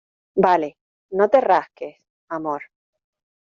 vale. no te rasques, amor .